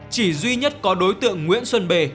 chỉ duy nhất có đối tượng nguyễn xuân bê